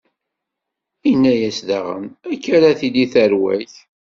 Inna-yas daɣen: Akka ara tili tarwa-k.